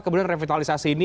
kemudian revitalisasi ini